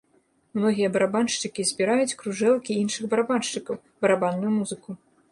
Многія барабаншчыкі збіраюць кружэлкі іншых барабаншчыкаў, барабанную музыку.